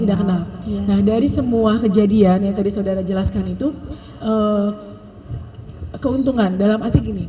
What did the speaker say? tidak kenal nah dari semua kejadian yang tadi saudara jelaskan itu keuntungan dalam arti gini